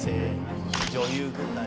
女優軍団。